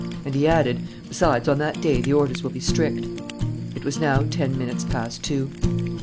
And he added, "Besides, on that day, the orders will be strict." It was now ten minutes past two.